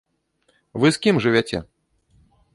Вы з кім жывяце?